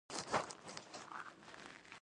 ایا ستاسو وده به متوازنه وي؟